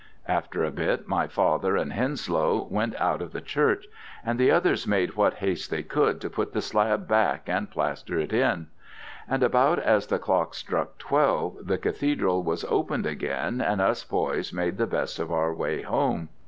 After a bit, my father and Henslow went out of the church, and the others made what haste they could to put the slab back and plaster it in. And about as the clock struck twelve the Cathedral was opened again and us boys made the best of our way home.